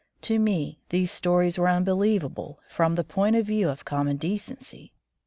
To me these stories were unbelievable, from the point of view of common decency.